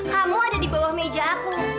kamu ada di bawah meja aku